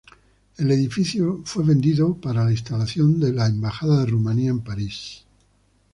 El edificio fue vendido para la instalación de la Embajada de Rumanía en París.